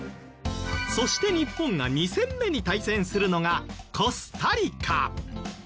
そして日本が２戦目に対戦するのがコスタリカ。